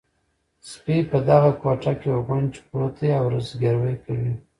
سپي په دغه کوټه کې غونج پروت دی او زګیروی کوي.